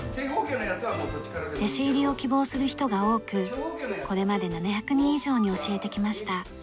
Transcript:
弟子入りを希望する人が多くこれまで７００人以上に教えてきました。